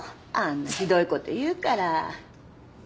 あんなひどいこと言うから。